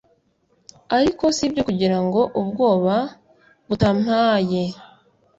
ariko sibyo kugirango ubwoba butampaye